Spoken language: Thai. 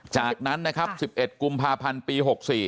จากนั้นนะครับ๑๑กุมภาพันธ์ปี๖๔